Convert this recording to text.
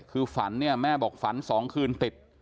คือฝันเนี่ยแม่บอกฝัน๒คืนติด